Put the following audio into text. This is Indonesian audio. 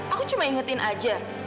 aku cuma ingetin aja